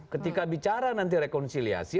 ketika bicara nanti rekonsiliasi